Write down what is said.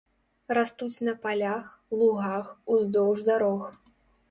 Растуць на палях, лугах, уздоўж дарог.